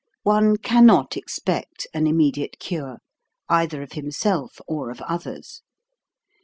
One cannot expect an imme diate cure, either of himself or of others.